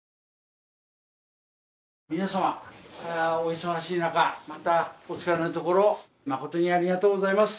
皆様お忙しいなかまたお疲れのところ誠にありがとうございます。